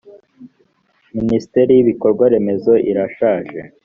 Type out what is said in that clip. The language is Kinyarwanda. minisiteri y ‘ibikorwa remezo irashaje.